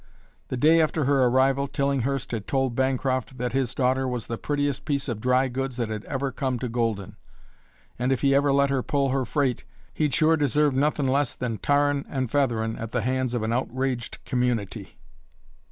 The day after her arrival Tillinghurst had told Bancroft that his daughter was "the prettiest piece of dry goods that had ever come to Golden, and if he ever let her pull her freight he'd sure deserve nothin' less than tarrin' and featherin' at the hands of an outraged community."